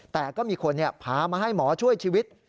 แต่ก็มีคนพามาให้หมอช่วยชีวิต